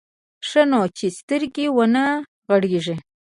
ښه نو چې سترګې ونه غړېږي.